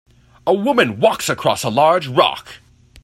a woman walks across a large rock.